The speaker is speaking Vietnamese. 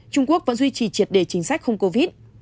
trung quốc vẫn duy trì triệt đề chính sách không covid